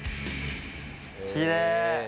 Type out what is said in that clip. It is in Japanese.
きれい。